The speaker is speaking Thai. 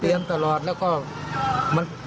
เพราะไม่เคยถามลูกสาวนะว่าไปทำธุรกิจแบบไหนอะไรยังไง